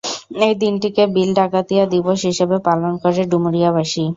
এই দিনটিকে বিল ডাকাতিয়া দিবস হিসেবে পালন করে ডুমুরিয়াবাসী।